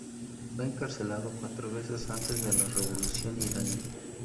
Fue encarcelado cuatro veces antes de la Revolución iraní.